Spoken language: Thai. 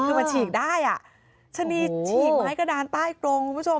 คือมันฉีกได้อ่ะชะนีฉีกไม้กระดานใต้กรงคุณผู้ชม